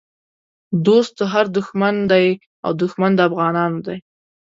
دوست د هر دښمن دی او دښمن د افغانانو دی